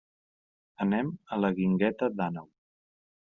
Anem a la Guingueta d'Àneu.